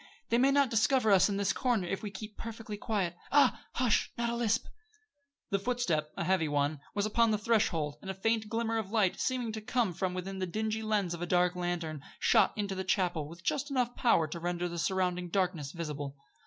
They may not discover us in this corner if we keep perfectly quiet. Ah! Hush! Not a lisp!" The footstep a heavy one was upon the threshold, and a faint glimmer of light, seeming to come from the dingy lens of a dark lantern, shot into the chapel with just power enough to render the surrounding darkness visible.